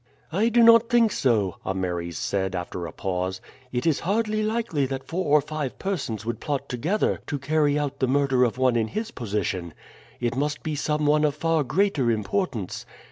"I do not think so," Ameres said after a pause. "It is hardly likely that four or five persons would plot together to carry out the murder of one in his position; it must be some one of far greater importance.